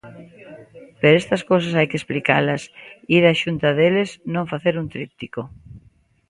Pero estas cousas hai que explicalas, ir a xunta deles, non facer un tríptico.